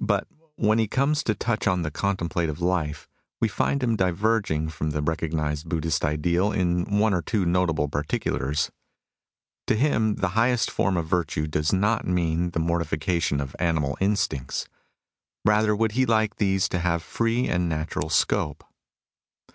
But when he comes to touch on the contemplative life, we find him diverging from the recognised Buddhist ideal in one or two notable particulars. To him the highest form of virtue does not mean the mort&cation of animal instincts. Bather would he like these to have free and natural scope.